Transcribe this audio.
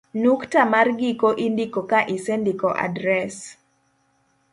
nukta mar giko indiko ka isendiko adres